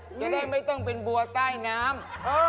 จะได้ไม่ต้องเป็นบัวใต้น้ำ